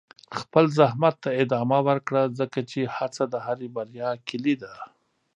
خپل زحمت ته ادامه ورکړه، ځکه چې هڅه د هرې بریا کلي ده.